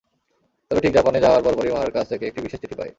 তবে ঠিক জাপানে যাওয়ার পরপরই মার কাছ থেকে একটি বিশেষ চিঠি পাই।